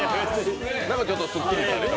ちょっとすっきりされた？